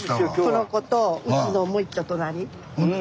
この子とうちのもういっちょ隣。